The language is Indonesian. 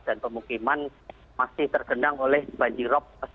dan pemukiman masih tergendang oleh banji rop